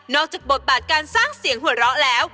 จากบทบาทการสร้างเสียงหัวเราะแล้ว